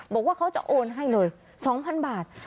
บอกว่าเขาจะโอนให้เลย๒๐๐๐บาท